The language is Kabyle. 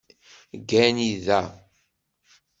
Ggani da.